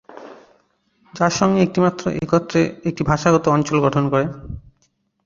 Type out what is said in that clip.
যার সঙ্গে এটি একত্রে একটি ভাষাগত অঞ্চল গঠন করে।